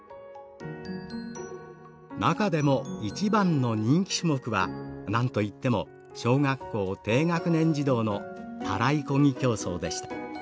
「中でも一番の人気種目はなんといっても小学校低学年児童のたらい漕ぎ競争でした。